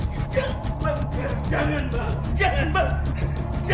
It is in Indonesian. jangan bangun jangan bangun jangan bangun